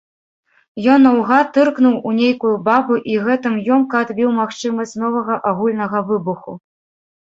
Ён наўгад тыркнуў у нейкую бабу і гэтым ёмка адбіў магчымасць новага агульнага выбуху.